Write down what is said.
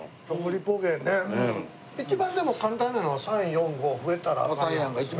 一番でも簡単なのは「３４５増えたらアカンやん」が一番簡単です。